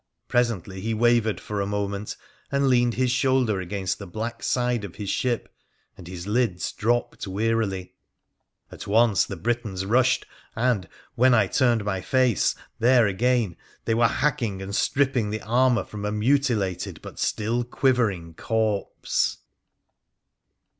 Presently he wavered for a moment and leaned his shoulder against the black side of his ship, and his lids dropped wearily ; at once the Britons rushed, and, whan I turned my face there again, they were hacking and stripping the armour from a mutilated but still quivering corpse